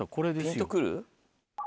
ピンとくる？